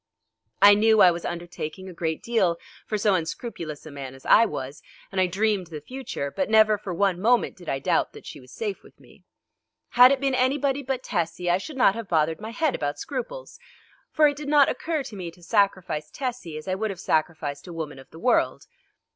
I knew I was undertaking a great deal for so unscrupulous a man as I was, and I dreamed the future, but never for one moment did I doubt that she was safe with me. Had it been anybody but Tessie I should not have bothered my head about scruples. For it did not occur to me to sacrifice Tessie as I would have sacrificed a woman of the world.